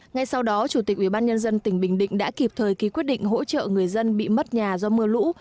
ngay sau đó chủ tịch ubnd tỉnh bình định đã kịp thời ký quyết định hỗ trợ người dân bị mất nhà do mưa lũ